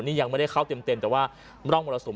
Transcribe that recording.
นี่ยังไม่ได้เข้าเต็มแต่ว่าร่องมรสุม